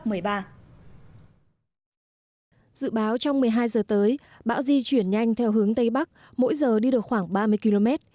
dự báo trong một mươi hai giờ tới bão di chuyển nhanh theo hướng tây bắc mỗi giờ đi được khoảng ba mươi km